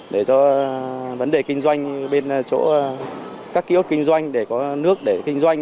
để cho vấn đề kinh doanh bên chỗ các ký ốt kinh doanh để có nước để kinh doanh